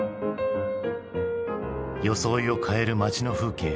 装いを変える街の風景。